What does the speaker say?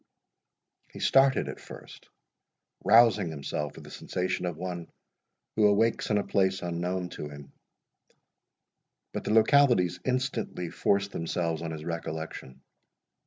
He started at first, rousing himself with the sensation of one who awakes in a place unknown to him; but the localities instantly forced themselves on his recollection.